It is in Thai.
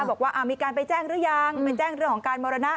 บอกว่ามีการไปแจ้งหรือยังไปแจ้งเรื่องของการมรณะ